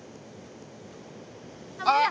あっ！